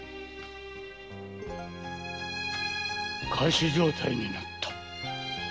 仮死状態になった。